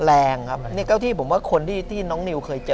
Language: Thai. แรงครับนี่ก็ที่ผมว่าคนที่น้องนิวเคยเจอ